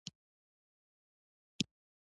نن سبا سیاسي علومو مطرح کېږي.